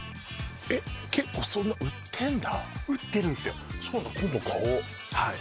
えっ結構そんな売ってんだ売ってるんですよ